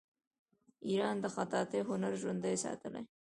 ایران د خطاطۍ هنر ژوندی ساتلی.